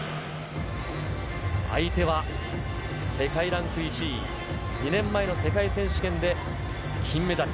相手は世界ランク１位、２年前の世界選手権で金メダル。